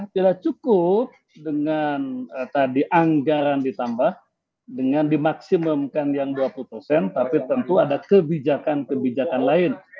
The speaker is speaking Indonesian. tidak cukup dengan tadi anggaran ditambah dengan dimaksimumkan yang dua puluh persen tapi tentu ada kebijakan kebijakan lain